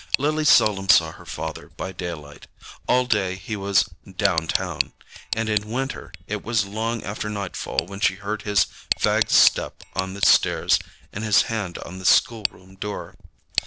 Lily seldom saw her father by daylight. All day he was "downtown"; and in winter it was long after nightfall when she heard his fagged step on the stairs and his hand on the school room door.